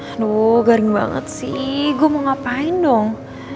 aduh garing banget sih gue mau ngapain dong